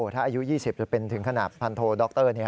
ถ้าอายุ๒๐จะเป็นถึงขนาดพันธุด๊อคเตอร์นี้